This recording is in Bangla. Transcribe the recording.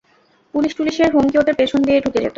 পুলিশ টুলিশের হুমকি ওদের পেছন দিয়ে ঢুকে যেত।